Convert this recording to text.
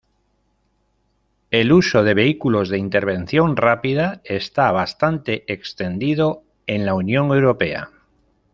El uso de vehículos de intervención rápida está bastante extendido en la Unión Europea.